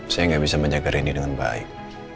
saya gak bisa menjaga rini dengan baik